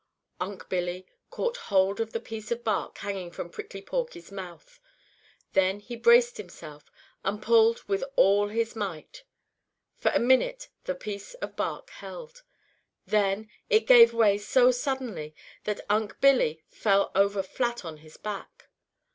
Unc' Billy caught hold of the piece of bark hanging from Prickly Porky's mouth. Then he braced himself and pulled with all his might. For a minute the piece of bark held. Then it gave way so suddenly that Unc' Billy fell over flat on his back.